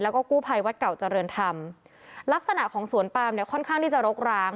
แล้วก็กู้ภัยวัดเก่าเจริญธรรมลักษณะของสวนปามเนี่ยค่อนข้างที่จะรกร้าง